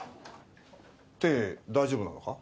手大丈夫なのか？